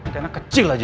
kayaknya kecil aja